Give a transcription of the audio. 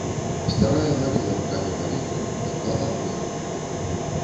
Старая лавіла рукамі паветра, шукала апоры.